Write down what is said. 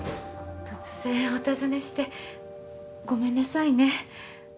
突然お訪ねしてごめんなさいね。